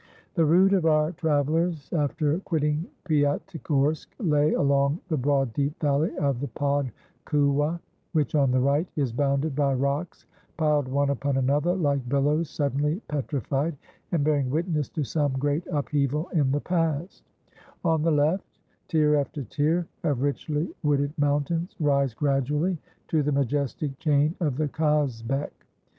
The route of our travellers, after quitting Piatigorsk, lay along the broad deep valley of the Pod Kouwa, which, on the right, is bounded by rocks piled one upon another, like billows suddenly petrified, and bearing witness to some great upheaval in the past; on the left, tier after tier of richly wooded mountains rise gradually to the majestic chain of the Kazbek.